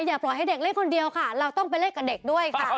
อย่าปล่อยให้เด็กเล่นคนเดียวค่ะเราต้องไปเล่นกับเด็กด้วยค่ะ